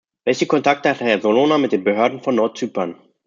Welche Kontakte hat Herr Solana mit den Behörden von Nordzypern?